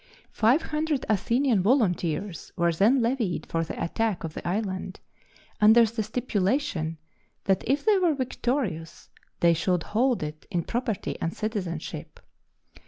Five hundred Athenian volunteers were then levied for the attack of the island, under the stipulation that if they were victorious they should hold it in property and citizenship.